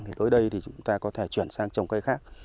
thì tới đây thì chúng ta có thể chuyển sang trồng cây khác